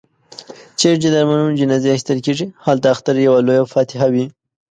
چيري چي د ارمانونو جنازې اخيستل کېږي، هلته اختر يوه لويه فاتحه وي.